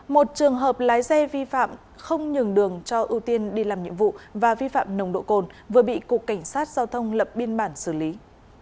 một trường hợp lái xe vi phạm không nhường đường cho ưu tiên đi làm nhiệm vụ và vi phạm nồng độ cồn vừa bị cục cảnh sát giao thông lập biên bản xử lý